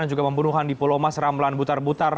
dan juga pembunuhan di pulau mas ramlan butar butar